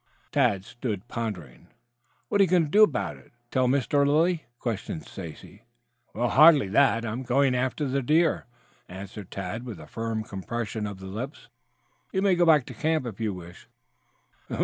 Tad stood pondering. "What are you going to do about it tell Mr. Lilly?" questioned Stacy. "Well, hardly that. I am going after that deer," answered Tad with a firm compression of the lips. "You may go back to camp if you wish."